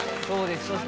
そうです。